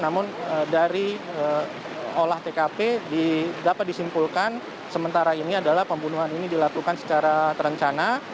namun dari olah tkp dapat disimpulkan sementara ini adalah pembunuhan ini dilakukan secara terencana